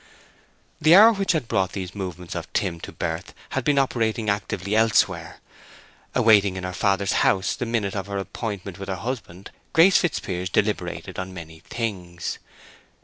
The hour which had brought these movements of Tim to birth had been operating actively elsewhere. Awaiting in her father's house the minute of her appointment with her husband, Grace Fitzpiers deliberated on many things.